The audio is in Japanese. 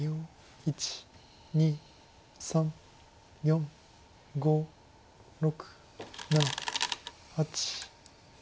１２３４５６７８。